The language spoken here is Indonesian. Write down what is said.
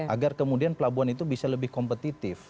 agar kemudian pelabuhan itu bisa lebih kompetitif